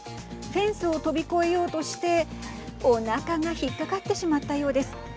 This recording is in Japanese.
フェンスを跳び越えようとしておなかが引っかかってしまったようです。